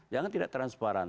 jangan tidak transparan